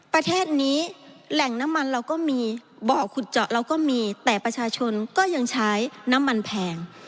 ประเทศนี้แหล่งน้ำมันเราก็มีบ่อขุดเจาะเราก็มีแต่ประชาชนก็ยังใช้น้ำมันแพง